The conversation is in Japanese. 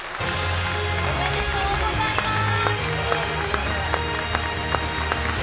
おめでとうございます。